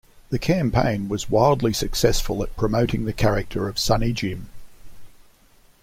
The campaign was wildly successful at promoting the character of Sunny Jim.